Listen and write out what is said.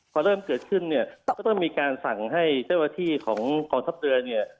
พอเริ่มเกิดขึ้นเนี่ยก็ต้องมีการสั่งให้เจ้าหน้าที่ของกองทัพเรือเนี่ย